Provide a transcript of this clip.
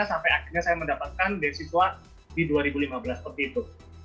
sampai akhirnya saya mendapatkan beasiswa di dua ribu lima belas seperti itu